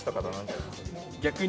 逆に？